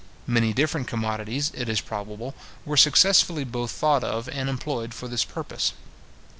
Many different commodities, it is probable, were successively both thought of and employed for this purpose.